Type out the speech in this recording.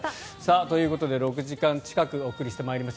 ということで６時間近くお送りしてまいりました。